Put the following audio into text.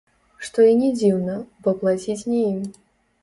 Што і не дзіўна, бо плаціць не ім.